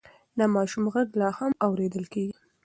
د ماشوم غږ لا هم اورېدل کېږي.